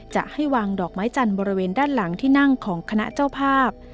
จะให้วางดอกไม้จันทร์บริเวณด้านหลังที่นั่งของคณะเจ้าภาพ